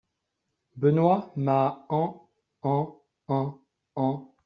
Benoît m'a en … en … en … en …